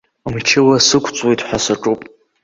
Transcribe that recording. Мчыла сықәҵуеит ҳәа саҿуп.